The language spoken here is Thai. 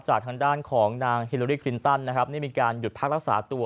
จากทางด้านของนางฮิลลอรี่เมื่อใหม่นี้มีการหยุดภาครักษาตัว